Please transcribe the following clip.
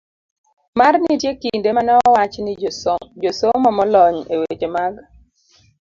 D. mar Nitie kinde ma ne owach ni josomo molony e weche mag